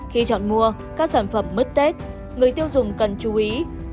khi chọn mua các sản phẩm mứt tết người tiêu dùng cần chú ý